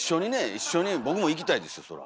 一緒に僕も行きたいですよそら。